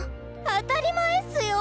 当たり前っすよ！